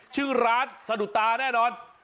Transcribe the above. ชื่อร้านสะดุดตาแน่นอน